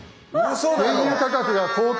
「原油価格が高騰」。